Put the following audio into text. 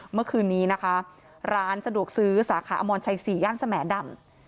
เมื่อคืนนี้นะคะร้านสะดวกซื้อสาขาอมรชัย๔ย่านสแหมดำ